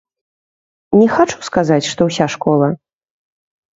Не хачу сказаць, што ўся школа.